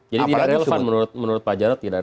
jadi tidak relevan menurut pak jarad